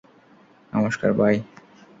নমষ্কার, by.